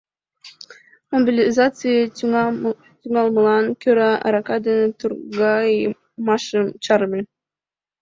Мобилизаций тӱҥалмылан кӧра арака дене торгайымашым чарыме.